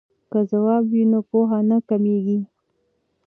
که ځواب وي نو پوهه نه کمېږي.